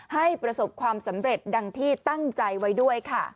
ให้ประสบความสำเร็จดังที่ตั้งใจไว้ด้วยค่ะ